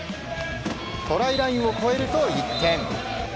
トライラインを越えると１点。